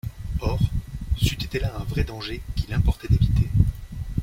Or, c’eût été là un vrai danger qu’il importait d’éviter.